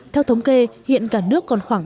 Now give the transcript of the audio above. theo thống kê hiện cả nước còn khoảng